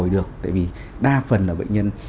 được tại vì đa phần là bệnh nhân